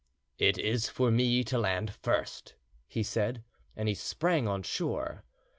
"It is for me to land first," he said, and he sprang on shore.